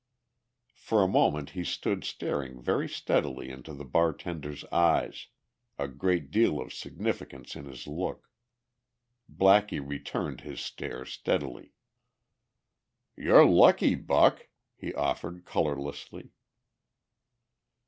For a moment he stood staring very steadily into the bartender's eyes, a great deal of significance in his look. Blackie returned his stare steadily. "You're lucky, Buck," he offered colourlessly.